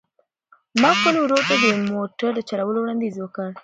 ما خپل ورور ته د موټر د چلولو وړاندیز وکړ.